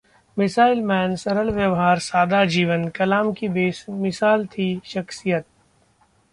मिसाइलमैन..सरल व्यवहार, सादा जीवन...कलाम की बेमिसाल थी शख्सियत